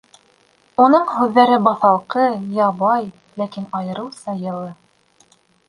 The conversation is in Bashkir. Уның һүҙҙәре баҫалҡы, ябай, ләкин айырыуса йылы.